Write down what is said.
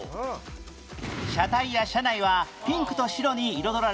車体や車内はピンクと白に彩られ